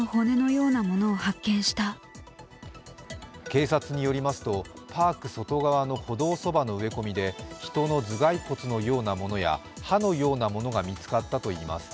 警察によりますと、パーク外側の歩道そばの植え込みで人の頭蓋骨のようなものや歯のようなものが見つかったといいます。